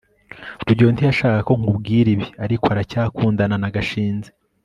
rugeyo ntiyashakaga ko nkubwira ibi, ariko aracyakundana na gashinzi